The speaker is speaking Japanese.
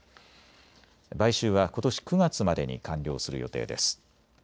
買収はことし９月までに完了する予定です。